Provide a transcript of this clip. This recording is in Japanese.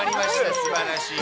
すばらしい。